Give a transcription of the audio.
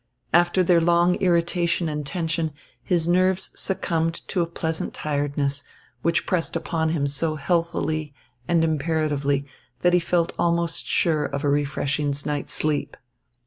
After their long irritation and tension his nerves succumbed to a pleasant tiredness, which pressed upon him so healthily and imperatively that he felt almost sure of a refreshing night's sleep.